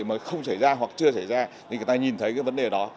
mà không xảy ra hoặc chưa xảy ra thì người ta nhìn thấy cái vấn đề đó